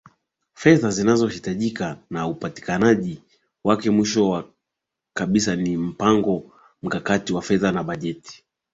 Fedha zinazohitajika na upatikanaji wake Mwisho kabisa ni mpango mkakati wa fedha na bajeti